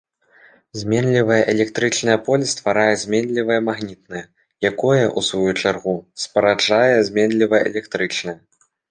Зменлівае электрычнае поле стварае зменлівае магнітнае, якое, у сваю чаргу спараджае зменлівае электрычнае.